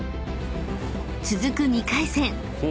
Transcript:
［続く２回戦］